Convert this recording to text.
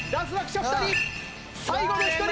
最後の１人！